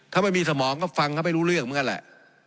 ถ้าไม่มีสมองก็ฟังเขาไม่รู้เรื่องเหมือนกันแหละ